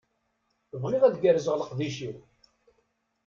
Bɣiɣ ad gerrzeɣ leqdic-iw.